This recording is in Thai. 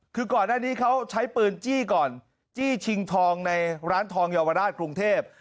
คือก่อนหน้านี้เขาใช้ปืนจี้ก่อนจี้ชิงทองในร้านทองเยาวราชกรุงเทพ